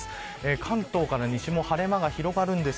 関東から西も晴れ間が広がるんですか